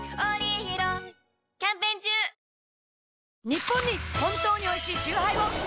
ニッポンに本当においしいチューハイを！